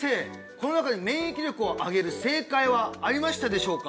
この中に免疫力を上げる正解はありましたでしょうか？